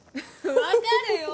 分かるよ。